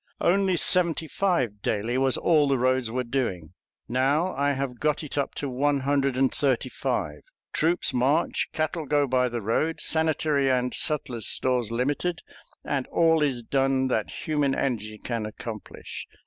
Only seventy five daily was all the roads were doing. Now I have got it up to one hundred and thirty five. Troops march, cattle go by the road, sanitary and sutler's stores limited, and all is done that human energy can accomplish.